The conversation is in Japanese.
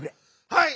はい！